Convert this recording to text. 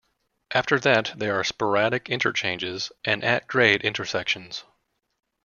After that, there are sporadic interchanges and at-grade intersections.